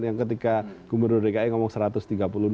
yang ketika gubernur dki ngomong satu ratus tiga puluh dua